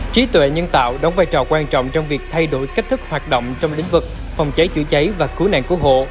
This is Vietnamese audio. trí tuệ nhân tạo đóng vai trò quan trọng trong việc thay đổi cách thức hoạt động trong lĩnh vực phòng cháy chữa cháy và cứu nạn cứu hộ